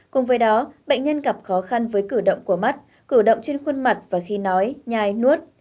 cùng với đó bệnh nhân gặp khó khăn với cử động của mắt cử động trên khuôn mặt và khi nói nhai nuốt